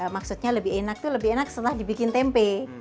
maksudnya lebih enak itu lebih enak setelah dibikin tempe